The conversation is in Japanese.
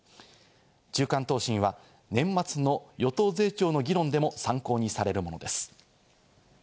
中間答申は年末の与党税調の議論でも参考にされるものです。